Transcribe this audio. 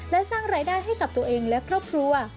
และสร้างรายได้ให้กับตัวเองและครอบครัว